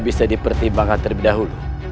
bisa dipertimbangkan terlebih dahulu